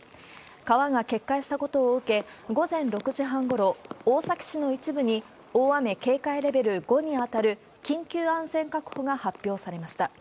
川が決壊したことを受け、午前６時半ごろ、大崎市の一部に大雨警戒レベル５に当たる、緊急安全確保が発表されました。